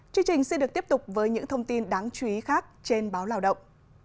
chương trình sẽ được tiếp tục với những thông tin đáng chú ý khác trên báo lào động